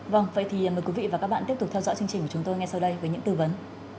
vâng vậy thì mời quý vị và các bạn tiếp tục theo dõi chương trình của chúng tôi ngay sau đây với những tư vấn